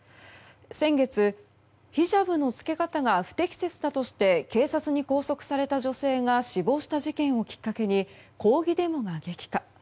先月、ヒジャブの着け方が不適切だとして警察に拘束された女性が死亡した事件をきっかけに抗議デモが激化。